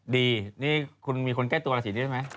ดีนี่คุณมีคนใกล้ตัวลาสีนี้ได้ไหม